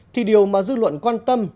thì điều mà dư luận quan tâm